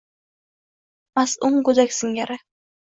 Ma’sum go’dak singari.